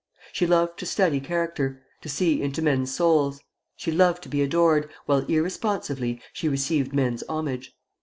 She loved to study character, to see into men's souls. She loved to be adored, while irresponsively she received men's homage.